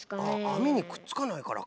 あみにくっつかないからか。